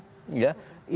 itu yang kita lakukan